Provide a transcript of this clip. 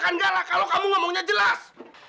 aku gak akan galak kalau kamu ngomongnya jelas